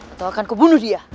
atau akan kubunuh dia